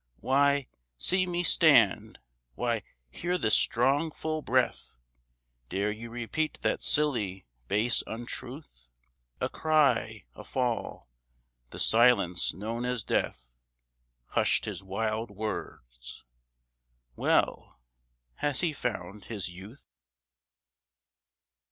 "Why, see me stand! why, hear this strong, full breath Dare you repeat that silly, base untruth?" A cry a fall the silence known as death Hushed his wild words. Well, has he found his youth?